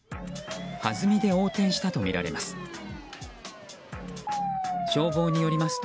はずみで横転したとみられます。